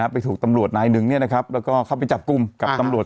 ไปถูกตำรวจนายหนึ่งเนี่ยนะครับแล้วก็เข้าไปจับกุ้มกับตำรวจ